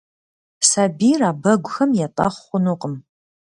Сабийр а бэгухэм етӏэхъу хъунукъым.